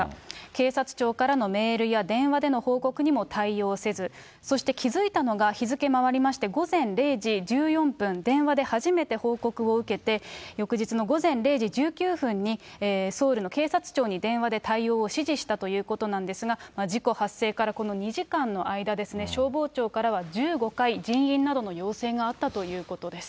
警察庁からのメールや電話での報告にも対応せず、そして気付いたのが、日付回りまして、午前０時１４分、電話で初めて報告を受けて、翌日の午前０時１９分にソウルの警察庁に電話で対応を指示したということなんですが、事故発生からこの２時間の間、消防庁からは１５回、人員などの要請があったということです。